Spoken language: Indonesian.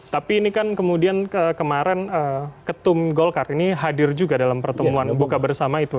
tapi ini kan kemudian kemarin ketum golkar ini hadir juga dalam pertemuan buka bersama itu